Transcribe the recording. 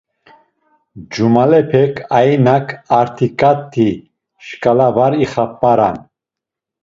Cumalepek, ainak artiǩati şǩala var ixap̌aran.